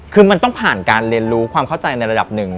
คือมันต้องผ่านการเรียนรู้ความเข้าใจในระดับหนึ่ง